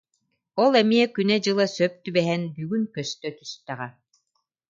Ол эмиэ күнэ-дьыла сөп түбэһэн, бүгүн көстө түстэҕэ